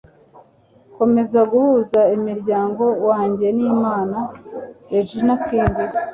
nkomeza guhuza n'umuryango wanjye n'imana. - regina king